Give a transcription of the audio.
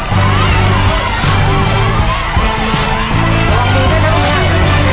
พิมพ์พิมพ์พิมพ์มาช่วยหน่อยก็ได้นะ